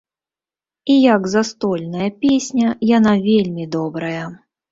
І як застольная песня яна вельмі добрая.